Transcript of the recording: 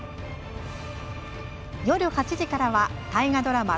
夜８時からは大河ドラマ